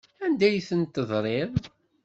Anda ay ten-tedriḍ?